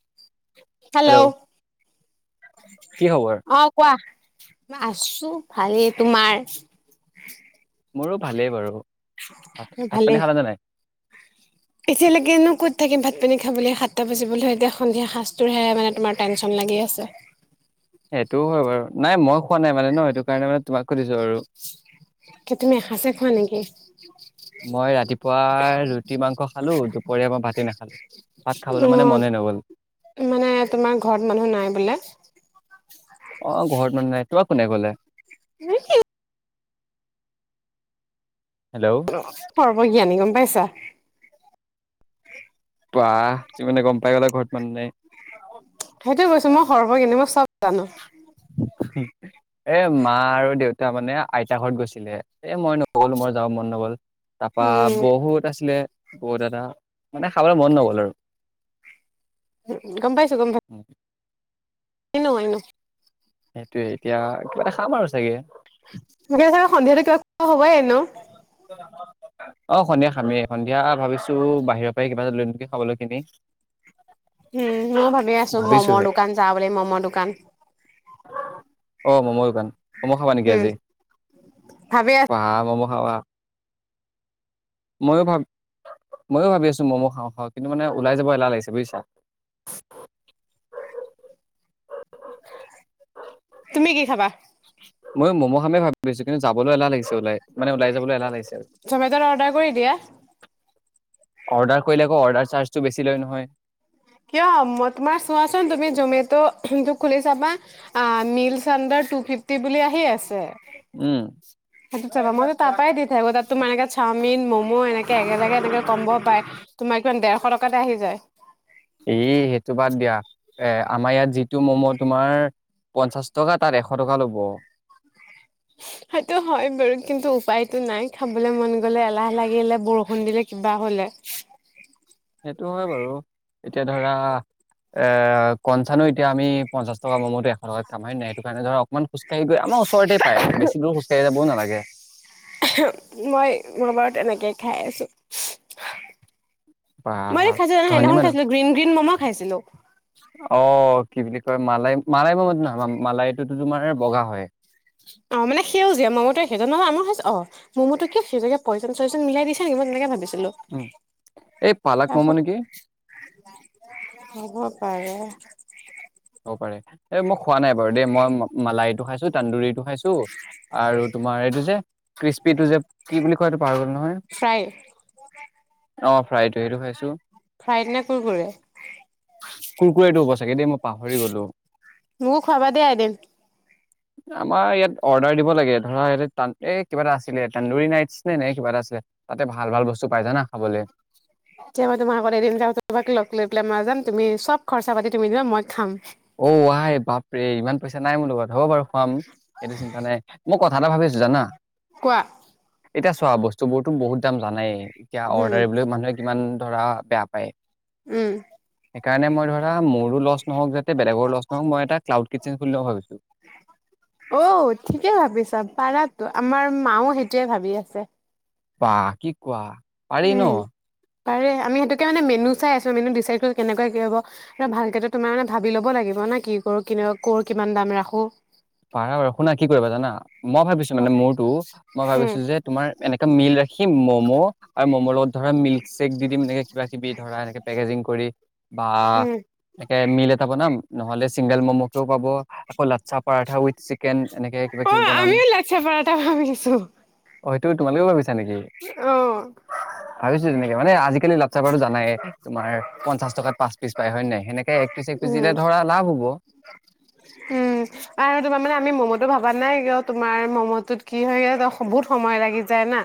[inaudible] Hello? কি খবৰ? অ' কোৱা। আছোঁ, ভালেই তোমাৰ? মোৰোঁ ভালেই বাৰু। ভাত, ভাত ভালে পানী খালানে নাই? এতিয়ালৈকেনো ক'ত থাকিম, ভাত পানী খাবলৈ, সাতটা বজিবলৈ হ'ল, এতিয়া সন্ধিয়া সাঁজটোৰ হে মানে তোমাৰ টেনশ্যন লাগি আছে। সেইটোও হয় বাৰু, নাই মই খোৱা নাই মানে ন, সেইটো কাৰণে মানে তোমাক সুধিছো আৰু। কি তুমি এসাঁচে খোৱা নেকি? মই ৰাতিপুৱা, ৰুটি মাংস খালোঁ। দুপৰীয়া মই ভাতেই নাখালোঁ ভাত অ খাবলৈ মানে মনে নগল মানে তোমাৰ ঘৰত মানুহ নাই বোলে আহ ঘৰত মানুহ নাই। তোমাক কোনে ক'লে? [unintelligible] হেল্ল' [unintelligible] মই জ্ঞানী গম পাইছা। ৱাহ! তুমি মানে গম পাই গ'লা, ঘৰত মানুহ নাই। সেইটোয় কৈছোঁ, মই সৰ্ব জ্ঞানী, মই চ'ব জানোঁ। এ মা আৰু দেউতা মানে, আইতা ঘৰত গৈছিলে, এ মই নগ'লো মোৰ যাব মন নগ'ল। তাৰপা উম বহুত আছিলে বহুত দাদা মানে খাবলৈ মন নগ'ল আৰু। গ পাইছো গম উম, [unintelligible] সেইটোয়ে এতিয়া কিবা এটা খাম আৰু চাগে ন অ সন্ধিয়া খামেই সন্ধিয়া ভাবিছো বাহিৰৰ পৰাই কিবা এটা লৈগি খাবলৈ কিনি। উম মই ভাবি আছো মম'ৰ ভাবিছোহে দোকান যা বুলি ম'মৰ দোকান অ মম দোকান। মম খাবা নেকি উম আজি ভাবি আছো বা মম' খাৱা ময়ো ভাব ময়ো ভাবি আছো ম'ম' খাওঁ খা কিন্তু মানে ওলাই যাব এলাহ লাগিছে বুজিছা তুমি কি খাবা। ময়ো ম'ম খামে ভাবিছো কিন্তু যাবলৈ এলাহ লাগিছে ওলাই মানে ওলাই যাবলৈ এলাহ লাগিছে আৰু চমাজত অৰ্ডাৰ কৰি দিয়া। অৰ্ডাৰ কৰিলে আকৌ অৰ্ডাৰ চাৰ্জটো বেছি লৈ নহয়। কিয় মই তোমাৰ চোৱাচোন তুমি জমে খুলি চাবা আ মিদচানডাৰ টুফিফটি বুলি আহি আছে। উম সেইটো চাবা ময়ো তাপাই দি থাকো তাত তোমাৰ চাওমিন মম এনেকে একেলগে এনেকে কমব পাৰে তোমাৰ কিমান দেৰশ টকাতে আহি যায় এ সেইটো বাদ দিয়া এ আমাৰ ইয়াত যিটো ম'ম' তোমাৰ পঞ্চাশ টকা তাত এশ টকা ল'ব। সেইটো হয় বাৰু কিন্তু উপায়তটো নাই খাবলে মন গলে এলাহ লাগিলে বৰষুণ দিলে কিবা হ'লে। সেইটো হয় বাৰু এতিয়া ধৰা এ কনচানো এতিয়া আমি পঞ্চাছ টকা ম'ম'টো এশ টকাত কামাই নাই সটো কাৰণে অকণ খোজকাঢ়ি গৈ আমাৰ ওচৰতে পাই বেছি দূৰ খোজ কাঢ়ি। কব নালাগে মই ম বাৰুত তেনেকেই খাই আছোঁ। বা মই খাইছিলো নহ ধনী সেইদিনাখন মানুহ খাইছিলো গ্ৰীণ গ্ৰীণ ম'ম খাইছিলো অ কি বুলি কয় মালাই মালাই ম ম নহয় মালাইটোতো তোমাৰ বগা হয়। অ মান সেউজীয়া ম'ম সেইজন ন আমাৰ হৈছে অ ম'মটো কিয় সেউজীয়াকে কয়েজন চয়েজন মিলাই দিছে নেকি মই তেনেকে ভাবিছো। উম এই পালাক মম নেকি হব পাৰে হ'ব পাৰে এই মোক খোৱা নাই বাৰু দেই মই। মালাহটো খাইছো তান্দুৰীটো খাইছো আৰু তোমাৰ এইটো যে কিস্পিটো যে কি বুলি কোৱাটো পাহৰি গলো নহয় ফ্ৰাই অ ফ্ৰাইটো সেইটো খাইছোঁ। ফ্ৰাই নে কুৰকুৰে কুৰকুৰাইটো হব চাগে দেই মই পাহৰি গ'লো মোক খোৱাবা দেই এদিন আমাৰ ইয়াত অৰ্ডাৰ দিব লাগে ধৰা এই কিবা এটা আছিলে তানদুৰি ৰাইচ নাইট নে নাই কিবা এটা আছিলে তাতে ভাল ভাল বস্তু পাই জানা খাবলৈ এতিয়া মই তোমাক আগ এদিন যাক তোমাক লগ লৈ পেলাই মই যাম তুমি চব খৰচা পাতি তুমি দিবা মই খাম। অ ৱায় বাপ ৰে ইমান পইচা নাই মোৰ লগত হ'ব বাৰু- খুৱাম সেইটো চিন্তা নাই মই কথা এটা ভাবি আছো জানা। কোৱা এতিয়া চোৱা বস্তু বোৰতো বহুত দাম জানেই- এতিয়া উম অৰ্ডাৰিবলৈ মানুহে কিমান ধৰা বেয়া পায়। উম সেইকাৰণে মই ধৰা মোৰো লছ নহওক যে বেলেগৰ লছ নওক মই এটা ক্লাউড কিটচেন খুলিলোঁও ভাবিছো। অ ঠিকে ভাবিছা পাৰাতো আমাৰ মাও সেইটোৱে ভাবি আছে। বাহ কি কোৱা? পাৰি ন? উম পাৰে আমি সেইেতোকে মানে মেনু চাই আছো মেনু ডিচাইড কৰো কেনেকুৱ কি হ'ব ভালকে তোমাৰ মানে ভাবি ল'ব লাগিব ন কি কৰো ক কিমান দাম ৰাখো। পাৰা বাৰু শুনা কি কৰিবা জানা মই ভাবিছো মানে মোৰতো মই ভাবিছো উম, যে তোমাৰ এনেকা মিল ৰাখি ম'ম' আৰু ম'ম' লগত ধৰা মিল্ক চ্বেক দি দিম এনেকে কিবা কিবি ধৰা এনেকে পেকেজিং কৰি বা উম, একে মিল এটা বনাম। নহ'লে চিংগেল ম'ম'কেও পাব আকৌ লাতচাপ পাৰঠা উই চিকেন এনেকে কিবা কিবি অ', বনাম আমিও লাচ্ছা পৰাঠা ভাবিছো। হইটো তোমালোকেও ভাবিছা অ ভাবছো তেনেকে মানে আজি কালি লক চাবাৰটো জানাইে তোমাৰ পঞ্চাশ টকাত পাঁচ পিচ পায় হয়ে নাই সেনেকে এক পিচ এক পিচ দিলে উম, ধৰা লাভ হব। উম, আৰু তোমাৰ মানে আমি ম'ম'টো ভবা নাই কিয় তোমাৰ ম'ম'টোত কি হয় বহুত সময় লাগি যায় না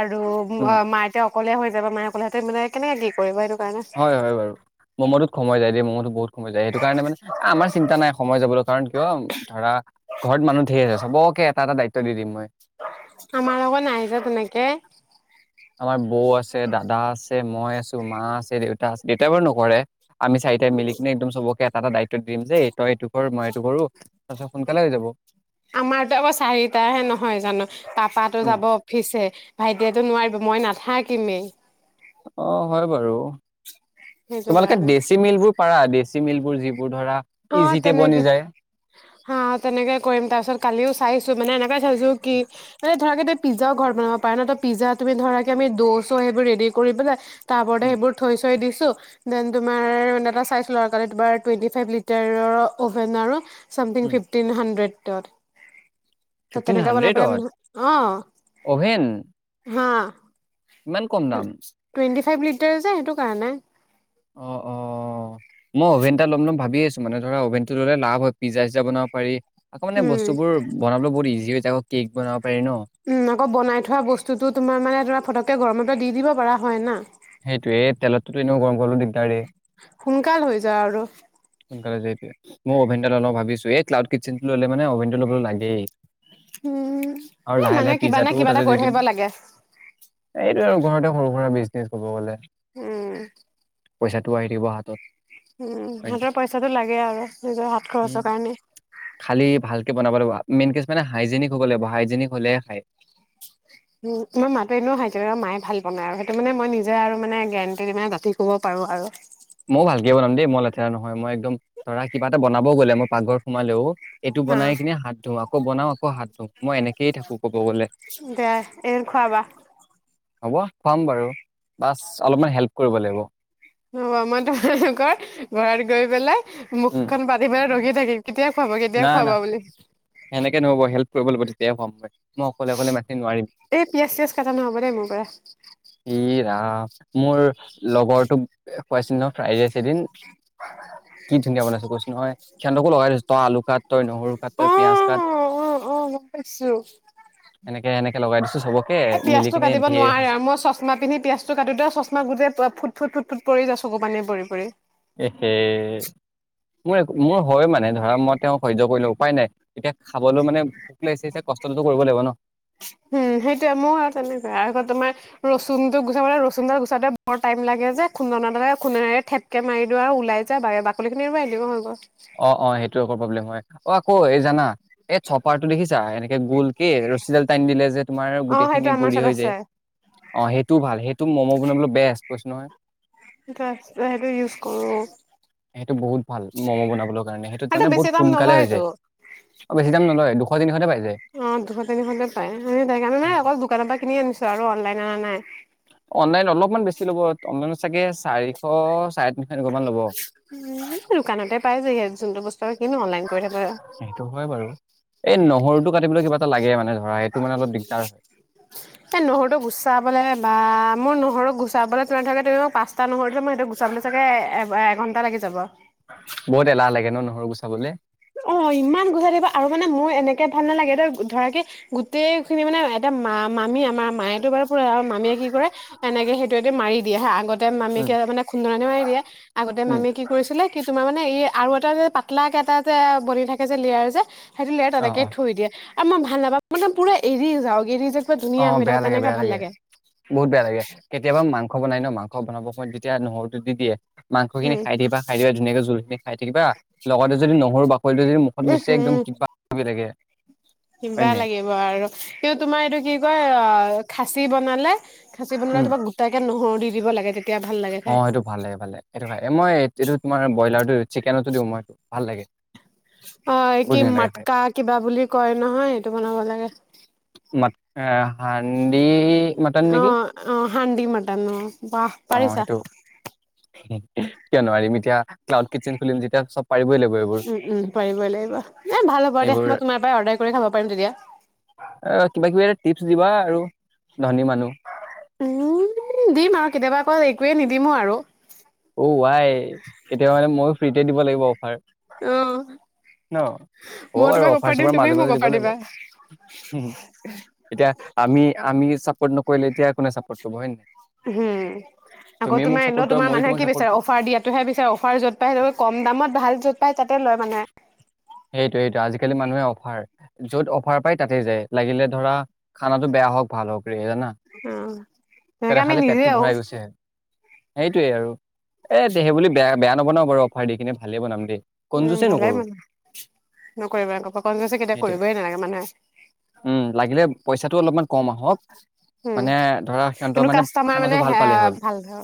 আৰু উম মাইতে অকলে হৈ- যে মাইয়ে কলহাতে মনে কেনে কি কৰিবাটো হয় হয় বাৰু। ম'ম'টোত সময় যায় দ ম'ম'তো বহুত সময় যায় সেইটো কাৰণে মানে আমাৰ চিন্তা নাই সময় যাবলৈ কাৰণ কিয় ধৰা ঘৰত মানুহ ধঢেৰ আছে চবকে এটা এটা দায়িত্ব দিম মই- আমাৰ আক নাই যে তেনেকে- আমাৰ বৌ আছে, দাদা দেতা বাৰু নকৰে। আমি চাৰিতা মিলিকিনে একদম চবকে এটা দায়িত্ব দিম যেই তই এইটো কৰ মই এইটো কৰো। তাৰপিছত সোনকালে হৈ যাব। আমাৰতো আকৌ চাৰিটাহে নহয় জানো পাপাটো উম, যাব অফিচে ভাইটিয়েটো নোৱাৰিব মই নাথাকিমেই, অ হয় বাৰু সেইটো তোমালোকে কাৰণে দেশী মিল বোৰ পাৰা দী চিমিলবোৰ যি অ তেনেকে হা তেনেকে কৰিম তাৰপিছত কালিও চাইছো মানে এনেকুৱাই চাইছো কি মানে ধৰ কে পিজ্জাও ঘৰ বনাব পাৰে ন ত পিজ্জা তুমি ধৰাকে আমি দচ' সেইবোৰ ৰেডি কৰি পেলাই তাৰওপৰতে উম, সেইবোৰ থৈ চৈ দিছো। তোমাৰ ডাটা চাইছিলো তাতে তোমাৰ টুৱেণটি ফাইভ লাগিব অভেন আৰু চামথিং উম, ফিফটিন হানণ্ড্ৰেড। ভিতৰত, ত ফিফটিন তেনেকা বনাই হাণ্ড্ৰেডত পেলাই অ অভেন হা [inaudible] ইমান কম দাম টুৱেন্টি ফাইভ লিটাৰ যে সেইটো কাৰণে অ অ মই অভেন এটা ল'ম ল'ম ভাবি আছো মানে ধৰা অভেনটো ল'লে লাভ হয় পিজ্জা চিজ্জা বনাব পাৰি আকৌ মানে উম বস্তুবোৰ বনাবলৈ বহুত ইজি হৈছে উম আকৌ বনাই থোৱা বস্তুটো তোমাৰ মানে ধৰা ফটককে গৰম, ত দি দিব পৰা হয় না সেইটোয়েই তেলতো এনেও গৰম গ'লো দিগদাৰেই সোনকাল হৈ যা আৰু সোনকালে যে সেইটোৱে মই অভেনটা লওঁ ভাবছো এই্লাউ কিচেনটো ল' মানে অভেনটো ল'ব লাগেই। উম আৰু এ লাহে মানহে লাহে কিবা নে পিজ্জাটোও কিবা তাতে এটা দি কৰি দিম থাকিব লাগে আৰু ঘৰতে সৰু সুৰা বিজ ক'ব গ'লে উম পইচাটো আহি দিব হাতত উম হয় নে নাই হাতৰ পইচাটো লাগে আৰু নিজৰ হাত উম খৰচৰ কাৰণে খালি ভালকে বনাব লাগিব মেইন কে মানে হাইজেনিক হ'ব লাগিব হাইজেনিক হলেহে খায় উম তমাৰ মাতো এনেও হাই মায়ে ভাল বনাই আৰু সেইটো মানে মই নিজে আৰু মানে গেৰেণ্টি দি মানে দাথি ক'ব পাৰো আৰু ময়ও ভালকে বনাম দেই মই লেতেৰা নহয় মই একদম ধৰা কিবা এটা বনাম মই গ'লে মই পাকঘৰ সোমালেও এইটো হা বনাই কিনে হাত ধো আকৌ বনাও আকৌ হাত ধুও দে এদিন খোৱাবা। হ'ব খুৱাম বাৰু বাছ অলপমান হেল্প কৰিব লাগিব। ৰবা মই তোমালোকৰ ঘৰত গৈ পেলাই। উম মুখখন পাতি পেলাই ৰখি থাকিম কেতিয়া। খুৱাব কেতিয়া না খুৱাব না বুলি সেনেকে নহব হেল্প কৰিব লাগিব তেতিয়াহে খোৱাম পাই মই অকলে অকলে ইমান খিনি নোৱাৰিম এই পিয়াজ চিয়াজ কাটা নহ'ব দেই মোৰ পৰা। ইয়ে ৰাম। মোৰ লগৰটোক খুৱাইছিলো নহয় ফ্ৰাইৰাইছ এদিন। কি ধুনীয়া বনাইছো কৈছোঁ নহয় সিহঁতকো লগাই দিছোঁ। আলু কাট তই নহৰু কাট তই অ পিয়াজ কাট অ অ গম এনেকে এনেক লগাই দিছো। চবকে এ মিলি পিয়াজটো কিনে কাটিব ধেৰ নোৱাৰে খাইছো আৰু মই চশমা পিন্ধি পিয়াজটো কাটোতেই চশমা গোটেই ফুট ফুট ফুট।। পৰি যায় চকু পানী পৰি পৰি। এ হে মোৰ মোৰ। হয় মানে ধৰা মই তেওঁ সহ্য কৰি লওঁ উপায় নাই। এতিয়া খাবলৈ মানে ভোক লাগিছে যেতিয়া কষ্টটোতো কৰিব লাগিব ন। উম সেইটোয়ে মোৰ আৰু তেনেকুৱাই আকৌ তোমাৰ ৰচুনটো গুছাবলৈ ৰচুনডাল গুচাওঁতে বৰ টাইম লাগে যে খুন্দনাডালে খুন্দনেৰে থেপকে মাৰি দিওঁ আৰু ওলাই যায় বা বাকলি উলিয়াই দিও হৈ গল অঁ অঁ সেইটো আকৌ প্ৰব্লেম হয় অঁ। অঁ এই জানা এই ছপাৰ টো দেখিছা এনেকে গোল কে ৰছীডাল টান দিলে যে। তোমাৰ অ সেইটো গোটেইখিনি আমাৰ গুৰি ওচৰত হৈ যায় আছে অঁ সেইটো ভাল সেইটো ম'ম' বনাবলৈ বেষ্ট কৈছোঁ নহয়। সেইটো ইউজ কৰো। সেইটো বহুত ভাল। উম। সেইটোত সেইটো মানে বেছি বহুত দাম সোনকালে হৈ নলয়তো যায় বেছি দাম নলয় দু। দুশ তিনিশতে পাই যাম। অঁ দুশ, তিনিশতে পায় আমি কাৰণে নাই উম। অকল দোকানৰ পৰা কিনি আনিছো আৰু অনলাইন আনা নাই। অনলাইন অলপমান বেছি লব অনলাইনত চাগে চাৰিশ চাৰে। তিনিশ এনেকুৱা মান ল'ব উ দোকানতে পাই যি হে যোনটো বস্তু। তই কিনো অনলাইন কৰি থাক। সেইটো হয় বাৰু এই নহৰুটো কাটিবলৈ কিবা এটা লাগে মানে। ধৰা সেইটো মানে অলপ দিগদাৰ হয় এই নহৰুটো গুচাবলে বা মোৰ নহৰুক। গুচাবলৈ তোৰ থাকে মানে পাঁচটা নহৰু মই এইটো গুচাবলৈ চাগে এঘণ্টা। টা লাগি যাব। বহুত এলাহ লাগে ন নহৰু গুচাবলে। অ ইমান গুচাই থিব আৰু মানে মোৰ এনেকে ভাল নালাগে, এ ধৰা কি গোটেই খিনি মানে এটা মা মামী আমাৰ মায়েতো বাৰু। আৰু মামীয়ে কি কৰে এনেকে সেইটো এ মাৰি দিয়ো আগতে মামীকে উম। মানে খুন্দনা মাৰি দিয়ে, আগতে উম, মামীয়ে কি কৰিছিলে কি। তোমাৰ মানে এই আৰু এটা যে পাতলাকে এটা। বনি থাকে যে লিয়াৰ যে। সেইঁতি লে অ তেনেকে অ থৈ দিয়ে। আমাৰ ভাল নাপা মানে পুৰা এৰি যাওক এৰি যাও। অ বেয়া লাগে বেয়া লাগে, বহুত বেয়া লাগে কেতিয়াবা মাংস। মাংস বনাই ন মাংস বনাব সময়ত যেতিয়া নহৰুটো দি দিয়ে মাংস খিনি উম খাই দিব বা খাই দিব ধুনীয়াক জোলখিনী খাই থাকিবা লগতে যদি নহৰু বাক টো যদি মুখত উম গৈছে একদম হম কিবা লাগি থাকে কিবা লাগিব আৰু তোমাৰ এইটো কি। কৈ খাচী বনালে। খাচ বনালে উম। কিবা গোটাকে নহৰু দি। দিব লাগে তে। অ সেইটো ভালে ভালে এইটো খাই মই এইটো। তোমাৰ ব্ৰইলাৰটো দি চিকেনতো দিওঁ মইতো ভাল লাগে। অ বহুত কি ধুনীয়া লাগে খাই মটকা কিবা বুলি কয় নহয় সেইটো বনাব লাগে। মাতকা অ অ হাডি মটন বাহ অ পাৰিছা। সেইটো কিয় নোৱাৰিমি। এতিয়া ক্লাউড কিটচন খুলিম যেতিয়া চব পাৰিবই লাগিব এইবোৰ, উম উম পাৰিবই লাগিব এ ভাল হ'ব দে মই এইবোৰ তোমাৰ পৰাই অৰ্ডাৰ কৰি খাব পাৰিম তেতিয়া কিবা কিবি টিপছ দিবা আৰু, ধনী মানুহ উম দিম আৰু কেতিয়াবা অকৌ একোৱে নিদিমো আৰু। অ ৱাই কেতিয়াবা মানে ময়ো ফ্ৰীতে দিব লাগিব অফাৰ। অ ন হ'ব ময়ো বাৰু তোমাক অফাৰ দিম চফাৰ তুমিও মাজে মাজে মোক দিব অফাৰ লাগিব, দিবা এতিয়া আমি আমি। চাপৰ্ট নকৰিলে এতিয়া কোনে চাপৰ্ট কৰিব হয় নাই। হম আকৌ তুমিয়ে মোক তোমাৰ চাপৰ্ট এনে কৰা তোমাৰ ময়ো মানে তোমাক কি চাপৰ্ট বিচাৰে কৰিম অফাৰ দিয়াটোহে বিচাৰে অফাৰ যত পাই সেই কম দামত ভাল য'ত। পাই তাতে লয় মানে। সেইটো এইেইটো আজিকালি মানুহে অফাৰ, যত অফাৰ পায় তাতেই যায়, লাগিলে ধৰা খানা বেয়া হওক ভাল হওক ৰে জানা। অ কিবা তেনেকে এটা আমি খালে নিজে পেটটো আৰু ভৰাই গৈছে। সেইটোৱে আৰু, এ হেই বুলি বেয়া বেয়া নবনাও বাৰু অফাৰ দি কিনে ভালেই বনাম দেই। কন উম, যুচি ভালে নকৰো, মানে নকৰিব কনজুচি কেতিয়া হেইটো কৰিবই নালাগে মানুহে উম লাগিলে পইচাটো অলপমান কম আহক উম, মানে ধৰা। কিন্তু ত'মানে কাষ্টমাৰ খানাটো মানে ভাল হে পালে হ'ল ভাল ধৰ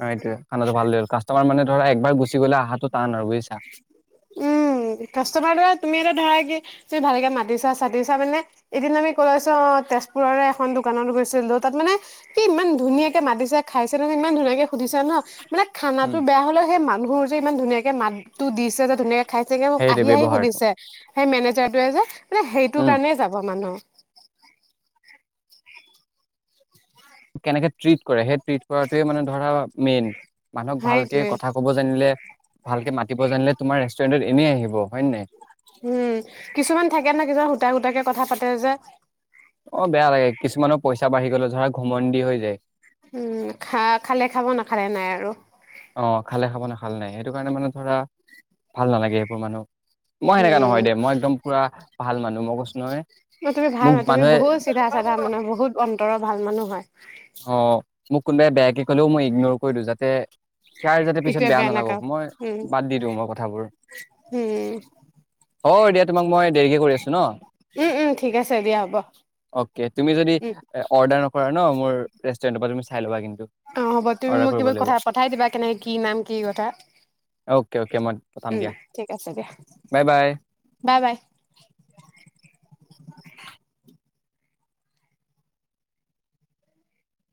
অ' সৈইটোৱে খানাটো ভাল হলে হ'ল কাষ্টামা মানে ধৰা একবাৰ গুচি গ'লে আহাটোত উম, কাষ্টমাৰ ধৰা তুমিয়ে টো ধৰা কি তুমি ভালকে মাতিছা-চাতিছা মানে এদিন আমি কলৈছো অ' তেজপুৰৰে এখন দোকানত গৈছিলোঁ তাত মানে কি ইমান ধুনীয়াকে মাতিছে খাইছে নহয় ইমান ধুনীয়াকে সুধিছে ন মানে খানাটো বেয়া হলেও সেই মানুহ সুৰ যে ইমান ধুনীয়াকে মাত তু দিছে এটা ধুনীয়া খাইছেগে মোক সেইটোৱে আহি -আহি ব্যৱহাৰটো সুধিছে সেই মেনেজাৰটোয়ে যে মানে সেইটো উম, কাৰণে যাব মানুহ কেনেকে ট্ৰিট কৰে সেই ট্ৰিট কৰাটোৱে মানে ধৰা মেইন। মানুহক ভালকে সেইটোৱে কথা কব জানিলে, ভালকে মাতিব জানিলে, তোমাৰ ৰেষ্টুৰেন্টত এনেই আহিব হয় নে নাই? উম, কিছুমান থাকে না কিছুমান সূতা-সুতাকে কথা পাতে যে অহ, বেয়া লাগে কিছুমানৰ পইচা বাঢ়ি গলে ধৰা ঘমন্দি হৈ যায়। উম, খা -খালে খাব নাখালে নাই আৰু। অহ, খালে খাব নেখাল নাই সেইটো কাৰণে মানে ধৰা ভাল নালাগে। এইবোৰ মানুহ মই সেনেকা উম। নহয় দে মই একদম পুৰা ভাল মানুহ মই কৈছোঁ নহয় অ' তুমি ভাল মোক হয় তুমি মানুহে বহুত চিধা-চাধা মানুহ বহুত অন্তৰৰ ভাল মানুহ হয়। অ মোক কোনোবাই বেয়াকে ক'লেও মই ইগনৰ কৰি দিওঁ যাতে সিয়াৰ যাতে পিছত ইটোৱে বেয়া নালাগক নাকাও মই উম বাদ দি দিওঁ মই কথাবোৰ উম অহ, এতিয়া তোমাক মই দেৰিকে কৰি আছোঁ ন'? উম উম ঠিক [unintelligible] আছে দিয়া হ'ব অকে তুমি যদি উম অৰ্ডাৰ পৰা ন' মোৰ ৰেষ্টুৰেণ্টৰ পৰা তুমি চাই লবা কিন্তু। অ 'হ'ব তুমি অৰ্ডাৰ মোক কৰিব কিবা লাগিব কথা পঠাই দিবা কেনেকে কি নাম কি কথা, অ'কে অ'কে মই পঠাম উম দিয়া ঠিক আছে দিয়া বাই বাই বাই -বাই।